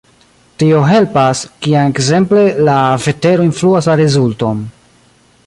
Tio helpas, kiam ekzemple la vetero influas la rezulton.